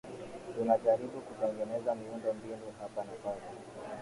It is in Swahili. tunajaribu kutengeneza miundo mbinu hapa na pale